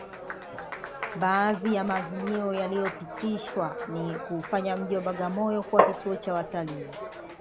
Baadhi ya maazimio yaliyopitishwa ni kuufanya mji wa Bagamoyo kuwa kituo cha watalii